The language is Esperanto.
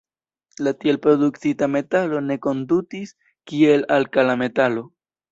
La tiel produktita metalo ne kondutis kiel alkala metalo.